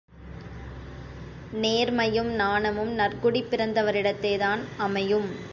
நேர்மையும் நாணமும் நற்குடிப் பிறந்தவரிடத்தே தான் அமையும்.